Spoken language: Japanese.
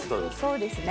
そうですね。